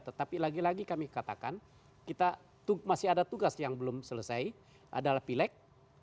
tetapi lagi lagi kami katakan kita masih ada tugas yang belum selesai adalah pileg